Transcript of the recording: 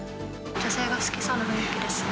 女性が好きそうな雰囲気ですよね。